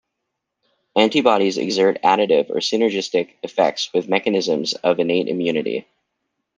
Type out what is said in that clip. Antibodies exert additive or synergistic effects with mechanisms of innate immunity.